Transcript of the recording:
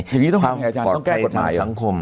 อย่างนี้ต้องทำยังไงอาจารย์ต้องแก้กฎหมายสังคม